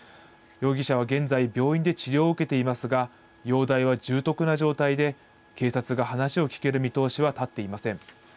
容疑者は現在、病院で治療を受けていますが、容体は重篤な状態で、警察が話を聴ける見通しは立っていません。